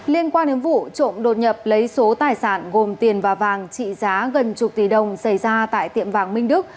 liên quan đến vụ trộm đột nhập lấy số tài sản gồm tiền và vàng trị giá gần chục tỷ đồng xảy ra tại tiệm vàng minh đức